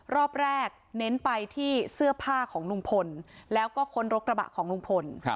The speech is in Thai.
รอบแรกเน้นไปที่เสื้อผ้าของลุงพลแล้วก็ค้นรถกระบะของลุงพล